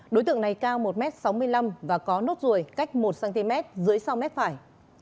đối tượng này cao một m sáu mươi năm và có nốt ruồi cách một cm dưới sau mép phải